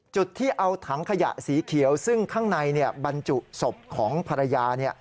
จุดที่เอาถังขยะสีเขียวซึ่งข้างในบรรจุศพของภรรยา